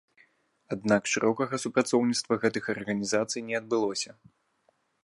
Аднак шырокага супрацоўніцтва гэтых арганізацый не адбылося.